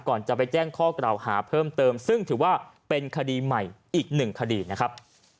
ก่อนจะไปแจ้งข้อกล่าวหาเพิ่มเติมซึ่งถือว่าเป็นคดีใหม่อีกหนึ่งคดีนะครับ